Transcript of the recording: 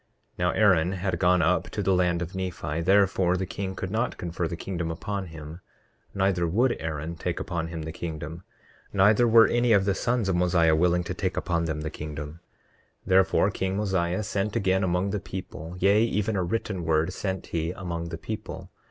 29:3 Now Aaron had gone up to the land of Nephi, therefore the king could not confer the kingdom upon him; neither would Aaron take upon him the kingdom; neither were any of the sons of Mosiah willing to take upon them the kingdom. 29:4 Therefore king Mosiah sent again among the people; yea, even a written word sent he among the people.